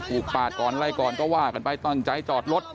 ปาดก่อนไล่ก่อนก็ว่ากันไปตั้งใจจอดรถ